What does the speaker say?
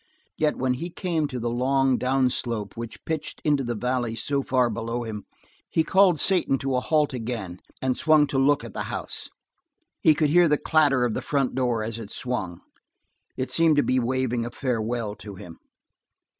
Yet when he came to the long down slope which pitched into the valley so far below him, he called Satan to a halt again, and swung to look at the house. He could hear the clatter of the front door as it swung; it seemed to be waving a farewell to him.